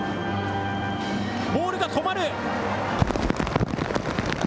ボールが止まる。